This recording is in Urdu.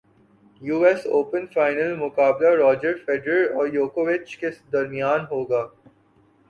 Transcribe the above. یو ایس اوپنفائنل مقابلہ راجر فیڈرر اور جوکووچ کے درمیان ہوگا